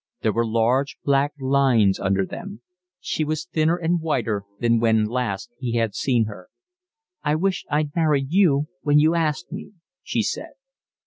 There were large black lines under them. She was thinner and whiter than when last he had seen her. "I wish I'd married you when you asked me," she said.